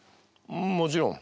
もちろん。